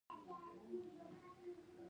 هغې د نازک آرمان په اړه خوږه موسکا هم وکړه.